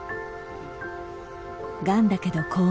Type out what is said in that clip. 「がんだけど幸運」。